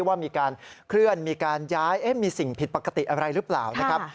ว่ามีการเคลื่อนมีการย้ายมีสิ่งผิดปกติอะไรหรือเปล่านะครับ